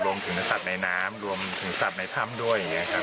รวมถึงสัตว์ในน้ำรวมถึงสัตว์ในถ้ำด้วยอย่างนี้ครับ